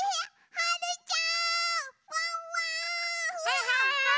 はい！